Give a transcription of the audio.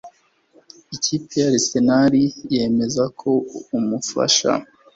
Ikipe ya Arsenal Yemeza ko Umufasha